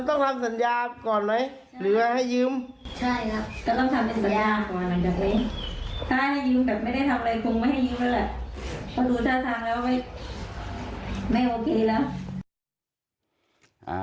มันต้องทำสัญญาก่อนไหมหรือให้ยืม